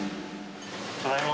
ただいま。